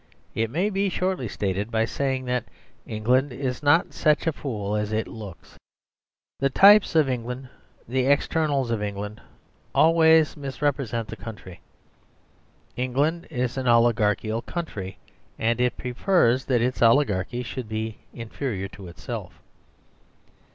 It may be shortly stated by saying that England is not such a fool as it looks. The types of England, the externals of England, always misrepresent the country. England is an oligarchical country, and it prefers that its oligarchy should be inferior to itself.